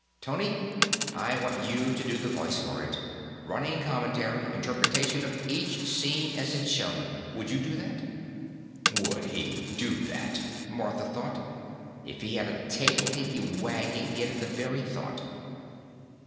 Tony, I want you to do the voice for it running commentary, interpretation of each scene as it's shown. Would you do that?" Would he do that! Martha thought. If he had a tail, he'd be wagging it at the very thought.